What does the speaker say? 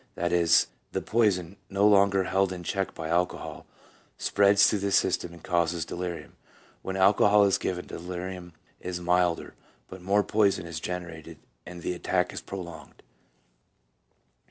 That is, the poison no longer held in check by alcohol, spreads through the system and causes delirium; when alcohol is given the delirium is milder, but more poison is generated and the attack prolonged.